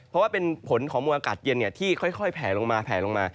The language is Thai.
เพราะว่าเป็นผลของมุมอากาศเย็นเนี่ยที่ค่อยแผลลงมา